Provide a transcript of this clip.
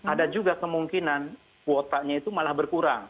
ada juga kemungkinan kuotanya itu malah berkurang